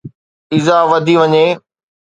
ايذاءُ وڌي وڃي